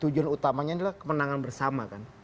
tujuan utamanya adalah kemenangan bersama kan